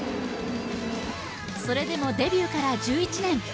それでもデビューから１１年。